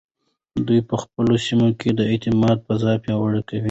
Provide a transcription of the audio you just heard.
دوی په خپلو سیمو کې د اعتماد فضا پیاوړې کوي.